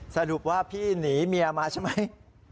สรุปว่าพี่หนีเมียมาใช่ไหม